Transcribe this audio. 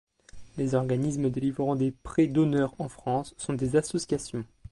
Les organismes délivrant des prêts d’honneur en France sont des associations.